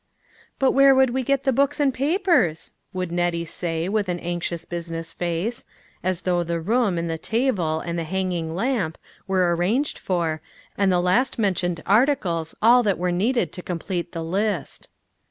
"But where would we get the books and papers?" would Nettie say, with an anxious business face, as though the room, and the table, and the hanging lamp, were arranged for, and the last mentioned articles all that were' needed to complete the list.